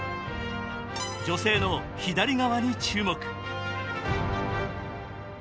女性の左側に注目。